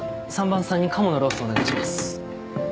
３番さんに鴨のローストお願いします。